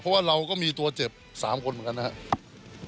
เพราะว่าเราก็มีตัวเจ็บ๓คนเหมือนกันนะครับ